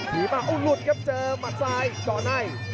หนีมาอ่มลุดครับเจอมัดสายก่อนได้